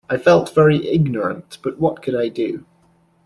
I felt very ignorant, but what could I do?